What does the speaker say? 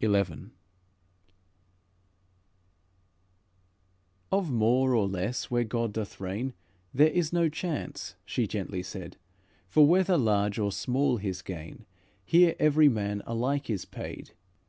XI "Of more or less where God doth reign, There is no chance," she gently said, "For, whether large or small his gain, Here every man alike is paid.